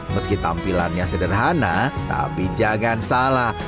meski tampilannya sederhana tapi jangan salah